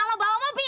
kalau bawa mobil